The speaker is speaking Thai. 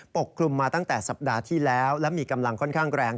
ปกคลุมมาตั้งแต่สัปดาห์ที่แล้วและมีกำลังค่อนข้างแรง